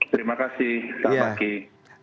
terima kasih selamat pagi